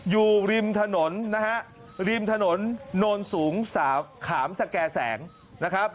อยู่ริมถนนนะฮะริมถนนโนนสูงขามสแก่แสงนะครับ